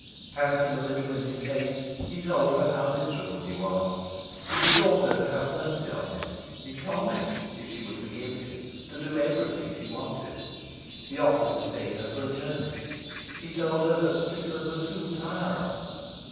Panting a little in his haste, he told her how miserable he was; he besought her to have mercy on him; he promised, if she would forgive him, to do everything she wanted. He offered to take her for a journey. He told her that Strickland would soon tire of her.